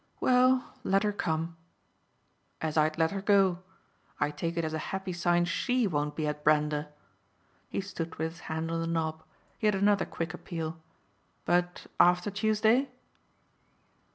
"Well, let her come." "As I'd let her go. I take it as a happy sign SHE won't be at Brander." He stood with his hand on the knob; he had another quick appeal. "But after Tuesday?"